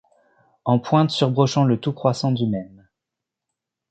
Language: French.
En pointe surbrochant le tout croissant du même.